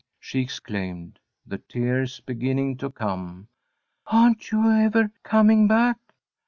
she exclaimed, the tears beginning to come. "Aren't you ever coming back?"